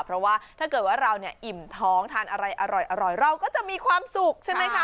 เพราะว่าถ้าเกิดว่าเราเนี่ยอิ่มท้องทานอะไรอร่อยเราก็จะมีความสุขใช่ไหมคะ